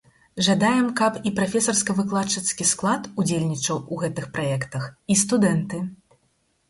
Жадаем, каб і прафесарска-выкладчыцкі склад удзельнічаў у гэтых праектах, і студэнты.